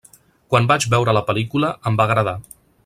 Quan vaig veure la pel·lícula, em va agradar.